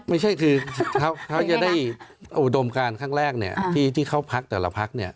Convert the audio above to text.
ไม่ใช่คือเขาจะได้อุดมการครั้งแรกที่เข้าพักแต่ละพักเนี่ย